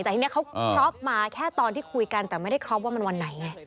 แต่ทีนี้เขาครอบมาแค่ตอนที่คุยกันแต่ไม่ได้ครอบว่ามันวันไหนไง